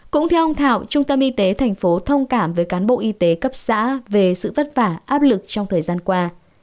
cũng theo ông thảo trung tâm y tế thành phố thông cảm với cán bộ y tế cấp xã về sự vất vả áp lực trong thời gian qua